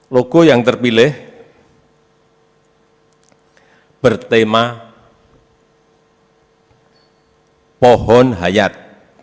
logo yang terpilih bertema pohon hayat